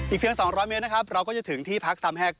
อีกเพียง๒๐๐เมตรเราก็จะถึงที่พักทรัมแฮก